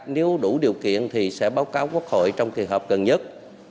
nếu đủ điều kiện thì sẽ báo cáo quốc hội trong kỳ họp gần nhất